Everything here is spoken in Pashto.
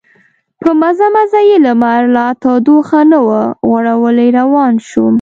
په مزه مزه چې لمر لا تودوخه نه وه غوړولې روان شوم.